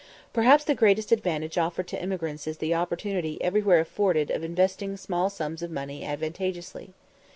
Perhaps the greatest advantage offered to emigrants is the opportunity everywhere afforded of investing small sums of money advantageously.